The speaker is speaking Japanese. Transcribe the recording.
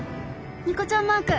ニコちゃんマーク！